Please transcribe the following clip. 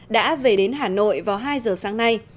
đã về đến hà nội vào hai giờ sáng nay